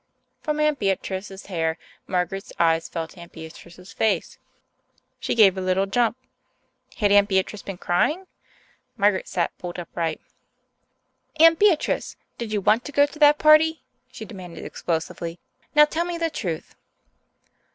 From Aunt Beatrice's hair Margaret's eyes fell to Aunt Beatrice's face. She gave a little jump. Had Aunt Beatrice been crying? Margaret sat bolt upright. "Aunt Beatrice, did you want to go to that party?" she demanded explosively. "Now tell me the truth."